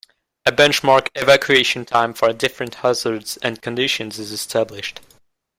A benchmark "evacuation time" for different hazards and conditions is established.